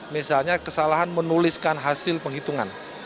misalnya kesalahan menuliskan hasil penghitungan